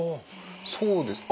そうですか。